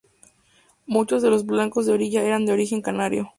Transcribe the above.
Muchos de los blancos de orilla eran de origen canario.